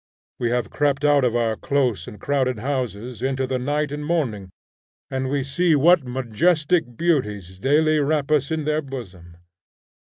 We have crept out of our close and crowded houses into the night and morning, and we see what majestic beauties daily wrap us in their bosom.